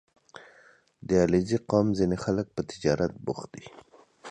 • د علیزي قوم ځینې خلک په تجارت بوخت دي.